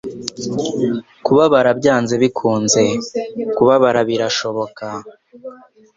Kubabara byanze bikunze. Kubabara birashoboka.